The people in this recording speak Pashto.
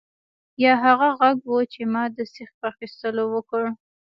یا هغه غږ و چې ما د سیخ په اخیستلو وکړ